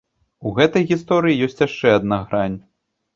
У гэтай гісторыі ёсць яшчэ адна грань.